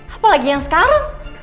apalagi yang sekarang